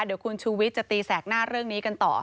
เดี๋ยวคุณชูวิทย์จะตีแสกหน้าเรื่องนี้กันต่อ